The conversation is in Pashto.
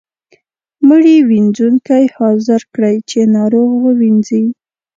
مړي وينځونکی حاضر کړئ چې ناروغ ووینځي.